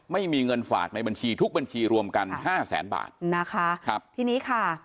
ไม่มีเงินฝากในบัญชีทุกบัญชีรวมกันห้าแสนบาทนะคะครับทีนี้ค่ะ